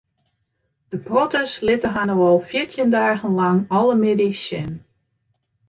De protters litte har no al fjirtjin dagen lang alle middeis sjen.